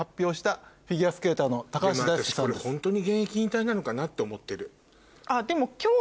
でも私これホントに現役引退なのかな？と思ってる。